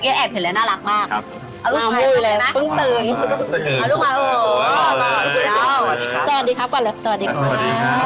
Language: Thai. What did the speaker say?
ใช่แอบเห็นแล้วน่ารักมากเอาลูกชายมาเลยนะเอาลูกมาโอ้สวัสดีครับกว่าแล้วสวัสดีครับ